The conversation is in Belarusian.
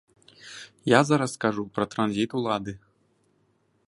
Я зараз кажу пра транзіт улады.